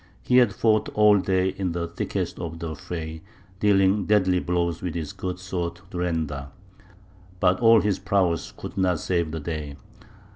He had fought all day in the thickest of the fray, dealing deadly blows with his good sword Durenda; but all his prowess could not save the day.